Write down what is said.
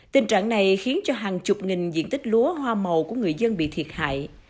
tình trạng này khiến cho hàng chục nghìn diện tích lúa hoa màu của người dân bị thiệt hại